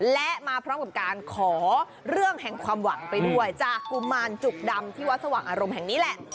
และมาพร้อมกับการขอเรื่องแห่งความหวังไปด้วยจากกุมารจุกดำที่วัดสว่างอารมณ์แห่งนี้แหละ